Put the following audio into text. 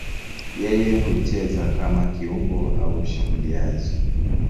Yeye hucheza kama kiungo au mshambuliaji.